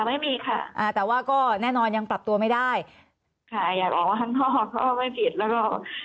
ค่ะไม่มีค่ะแต่ว่าก็แน่นอนยังปรับตัวไม่ได้ค่ะอยากออกข้างนอกก็ไม่ผิดแล้วก็